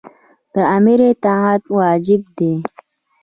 د امیر اطاعت واجب دی.